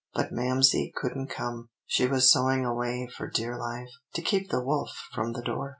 ] But Mamsie couldn't come. She was sewing away for dear life, to keep the wolf from the door.